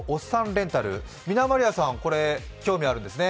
レンタルみなまりあさん、興味があるんですね？